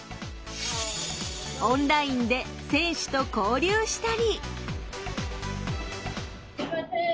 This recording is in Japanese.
オンラインで選手と交流したり。